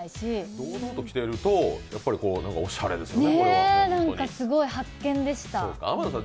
堂々と着てるとおしゃれですよね、ホントに。